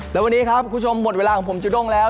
และวันนี้ครับคุณผู้ชมหมดเวลาของผมจูด้งแล้ว